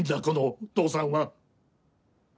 この父さんは。